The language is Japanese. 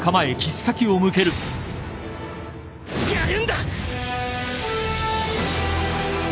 やるんだ！！